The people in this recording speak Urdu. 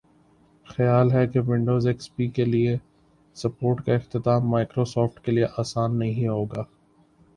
خیال ہے کہ ونڈوز ایکس پی کے لئے سپورٹ کااختتام مائیکروسافٹ کے لئے آسان نہیں ہوگا